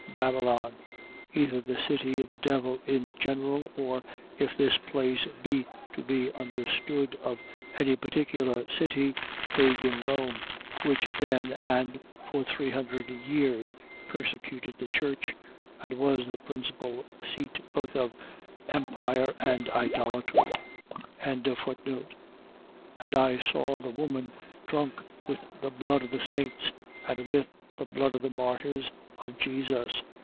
Babylon. . .Either the city of the devil in general; or, if this place be to be understood of any particular city, pagan Rome, which then and for three hundred years persecuted the church; and was the principal seat both of empire and idolatry. 17:6. And I saw the woman drunk with the blood of the saints and with the blood of the martyrs of Jesus.